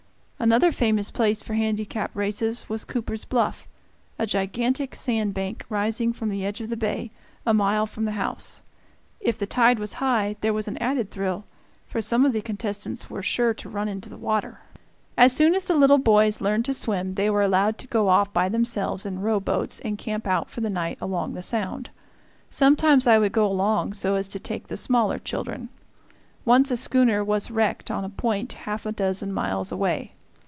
Another famous place for handicap races was Cooper's Bluff, a gigantic sand bank rising from the edge of the bay, a mile from the house. If the tide was high there was an added thrill, for some of the contestants were sure to run into the water. As soon as the little boys learned to swim they were allowed to go off by themselves in rowboats and camp out for the night along the Sound. Sometimes I would go along so as to take the smaller children. Once a schooner was wrecked on a point half a dozen miles away.